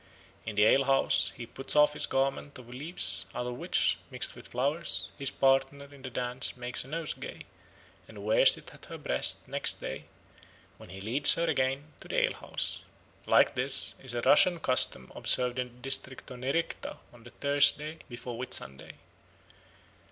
In the alehouse he puts off his garment of leaves, out of which, mixed with flowers, his partner in the dance makes a nosegay, and wears it at her breast next day, when he leads her again to the alehouse. Like this is a Russian custom observed in the district of Nerechta on the Thursday before Whitsunday.